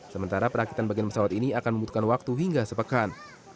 sementara perakitan bagian pesawat ini akan membutuhkan waktu hingga sepekan